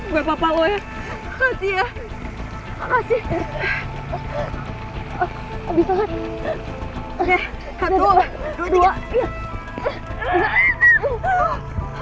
gue gak bisa sendirian